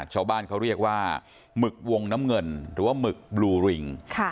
ชาวบ้านเขาเรียกว่าหมึกวงน้ำเงินหรือว่าหมึกบลูริง